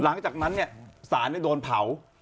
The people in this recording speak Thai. หลังจากนั้นเนี่ยสารโดนเผา